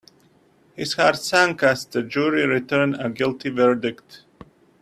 His heart sank as the jury returned a guilty verdict.